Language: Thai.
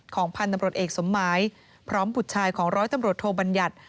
พันธุ์ตำรวจเอกสมหมายพร้อมบุตรชายของร้อยตำรวจโทบัญญัติ